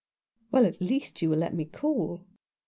" Well, at least you will let me call."